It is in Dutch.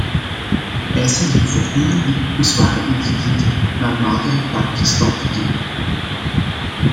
De eiser heeft voortdurend nieuwe bezwaren ingediend naarmate het park gestalte kreeg.